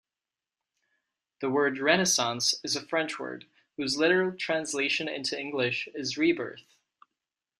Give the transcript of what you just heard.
The word "Renaissance" is a French word, whose literal translation into English is "Rebirth".